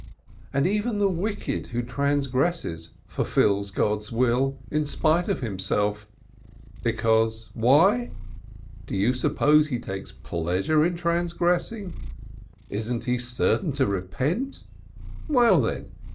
And even the wicked who transgresses fulfils God's will in spite of himself, because why? Do you suppose he takes pleasure in transgressing? Isn't he certain to repent? Well, then?